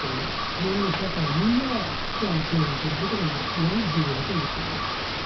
日本の社会みんなが危機感を共有することが今、非常に重要だと思っています。